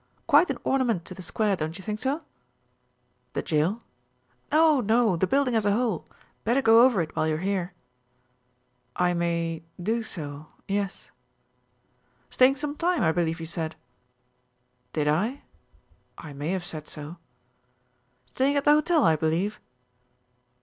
Quite an ornament to the square, don't you think so?" "The jail?" "No, no, The building as a whole. Better go over it while you're here." "I may do so yes." "Staying some time, I believe you said." "Did I? I may have said so." "Staying at the hotel, I believe?"